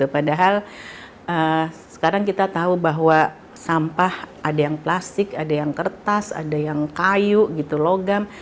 padahal sekarang kita tahu bahwa sampah ada yang plastik ada yang kertas ada yang kayu gitu logam